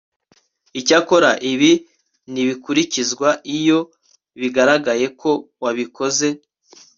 icyakora ibi ntibikurikizwa iyo bigaragaye ko wabikoze